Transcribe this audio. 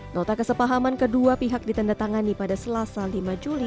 nota kesepahaman kedua pihak ditandatangani pada selasa lima juli dua ribu dua puluh dua